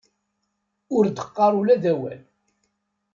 Ur d-qqar ula d awal.